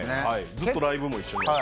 ずっとライブも一緒にやって。